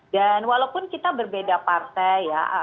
dan walaupun kita berbeda partai ya